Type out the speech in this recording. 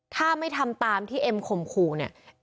ถ้าไม่ทำตามที่เอ็มข่มขู่เนี่ย